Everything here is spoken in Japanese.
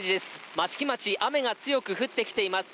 益城町、雨が強く降ってきています